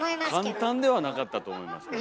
簡単ではなかったと思いますけど。